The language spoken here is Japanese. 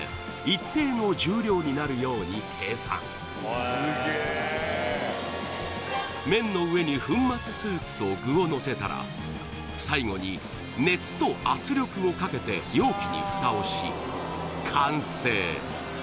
一定の重量になるように計算麺の上に粉末スープと具をのせたら最後に熱と圧力をかけて容器にフタをし完成